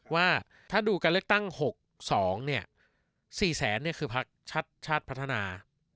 ว่าถ้าดูการเลือกตั้งหกสองเนี้ยสี่แสนเนี้ยคือชาติชาติพทนา